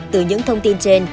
từ những thông tin trên